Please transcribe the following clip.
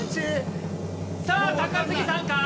さあ、高杉さんか？